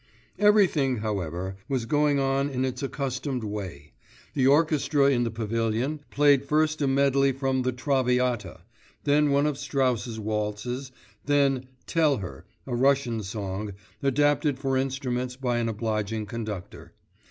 Everything, however, was going on in its accustomed way. The orchestra in the Pavilion played first a medley from the Traviata, then one of Strauss's waltzes, then 'Tell her,' a Russian song, adapted for instruments by an obliging conductor.